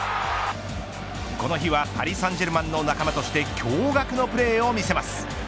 この日はパリ・サンジェルマンの仲間として驚がくのプレーを見せます。